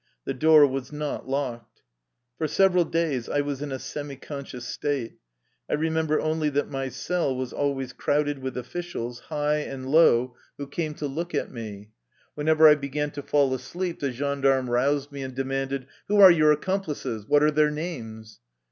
The door was not locked. For several days I was in a semiconscious state. I remember only that my cell was always crowded with officials, high and low, who came 150 THE LIFE STOEY OF A RUSSIAN EXILE to look at me. Whenever I began to fall asleep, the gendarme roused me and demanded: " Who are your accomplices? What are their names?"